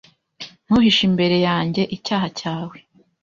Ntuhishe imbere yanjye icyaha cyawe